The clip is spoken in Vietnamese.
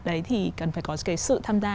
đấy thì cần phải có sự tham gia